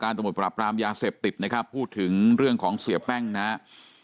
ตำรวจปราบรามยาเสพติดนะครับพูดถึงเรื่องของเสียแป้งนะครับ